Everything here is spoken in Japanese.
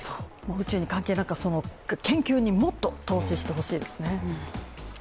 宇宙に関係なく、研究にもっと投資してほしいですね。